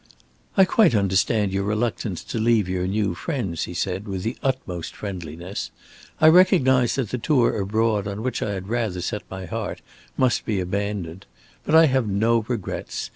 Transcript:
"I quite understand your reluctance to leave your new friends," he said, with the utmost friendliness. "I recognize that the tour abroad on which I had rather set my heart must be abandoned. But I have no regrets.